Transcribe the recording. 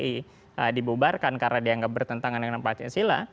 dia dibubarkan karena dia tidak bertentangan dengan pak cinsila